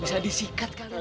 bisa disikat kalian